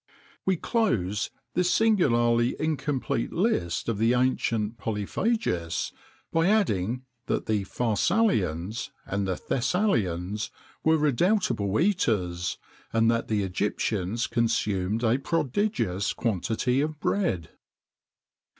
We close this singularly incomplete list of the ancient polyphagists by adding that the Pharsalians[XXIX 13] and the Thessalians[XXIX 14] were redoubtable eaters, and that the Egyptians consumed a prodigious quantity of bread.